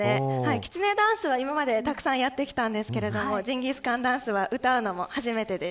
きつねダンスは今までたくさんやってきましたがジンギスカンダンスは歌うのも初めてです。